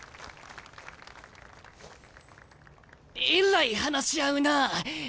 えらい話し合うなあ。